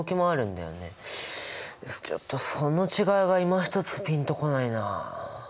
ちょっとその違いがいまひとつピンとこないな。